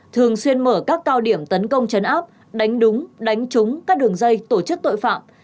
thường xuyên mở các cao điểm tấn công chấn áp đánh đúng đánh trúng các đường dây tổ chức tội phạm